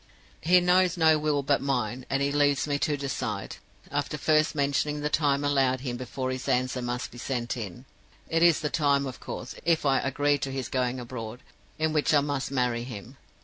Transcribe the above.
He knows no will but mine, and he leaves me to decide, after first mentioning the time allowed him before his answer must be sent in. It is the time, of course (if I agree to his going abroad), in which I must marry him.